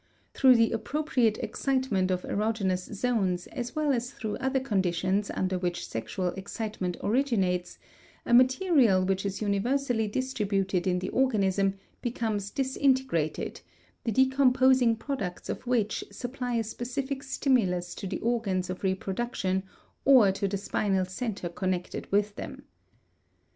Through the appropriate excitement of erogenous zones, as well as through other conditions under which sexual excitement originates, a material which is universally distributed in the organism becomes disintegrated, the decomposing products of which supply a specific stimulus to the organs of reproduction or to the spinal center connected with them.